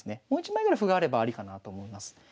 もう一枚ぐらい歩があればありかなと思います。